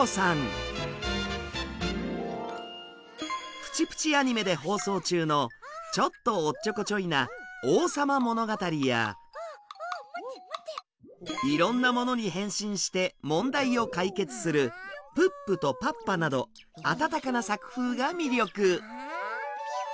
「プチプチ・アニメ」で放送中のちょっとおっちょこちょいな「王さまものがたり」やいろんなものに変身して問題を解決する「プップとパッパ」など温かな作風が魅力。